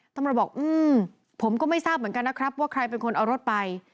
ตำรวจบอกอืมผมก็ไม่ทราบเหมือนกันนะครับว่าใครเป็นคนเอารถไป